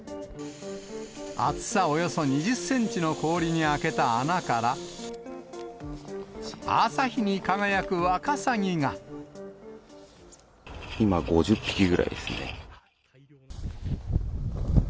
厚さおよそ２０センチの氷に開けた穴から、今５０匹ぐらいですね。